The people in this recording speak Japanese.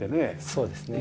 そうですね。